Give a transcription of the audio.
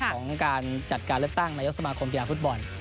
ของการจัดการเลือกตั้งนายกสมาคมกีฬาฟุตบอล